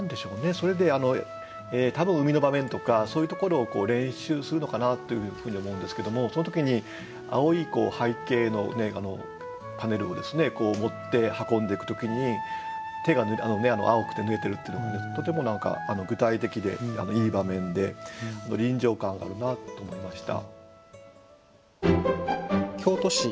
それで多分海の場面とかそういうところを練習するのかなというふうに思うんですけどもその時に青い背景のパネルを持って運んでいく時に手が青くてぬれてるっていうのがとても何か具体的でいい場面で臨場感あるなと思いました。